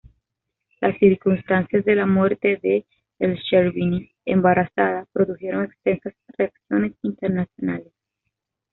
Las circunstancias de la muerte de El-Sherbini, embarazada, produjeron extensas reacciones internacionales.